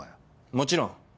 もちろん。